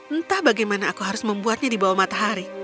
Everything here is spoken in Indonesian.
entah bagaimana aku harus membuatnya di bawah matahari